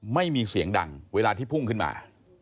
ไม่มีเสียงดังเวลาที่พุ่งขึ้นมา